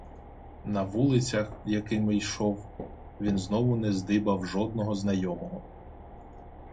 На вулицях, якими йшов, він знову не здибав жодного знайомого.